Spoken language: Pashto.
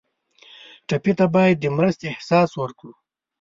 ټپي ته باید د مرستې احساس ورکړو.